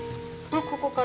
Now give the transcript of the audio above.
ここから。